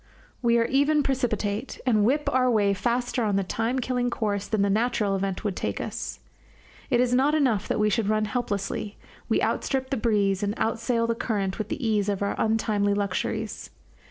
We are even precipitate, and whip our way faster on the time killing course than the natural event would take us. It is not enough that we should run helplessly, we outstrip the breeze and outsail the current with the ease of our untimely luxuries.